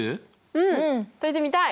うん解いてみたい！